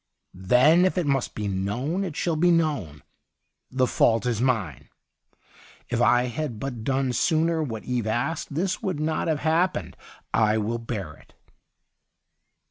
'Then if it must be known, it shall be known. The fault is mine. If I had but done sooner what Eve asked, this would not have hap pened. I will bear it.'